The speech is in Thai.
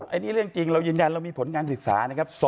อันนี้เรื่องจริงเรายืนยันเรามีผลการศึกษานะครับ